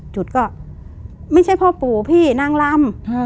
จุดก็ไม่ใช่พ่อปู่พี่นางลำ